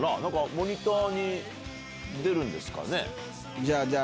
モニターに出るんですかね。